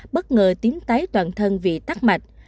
bất ngờ tím tái toàn thân vì tắc mạch